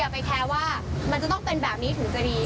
ไปแคร์ว่ามันจะต้องเป็นแบบนี้ถึงจะดี